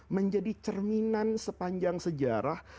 menjadi cerminan sepanjang sejarah